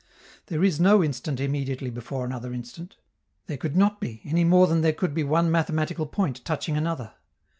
There is no instant immediately before another instant; there could not be, any more than there could be one mathematical point touching another.